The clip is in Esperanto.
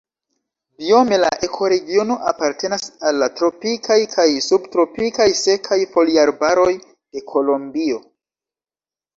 Biome la ekoregiono apartenas al la tropikaj kaj subtropikaj sekaj foliarbaroj de Kolombio.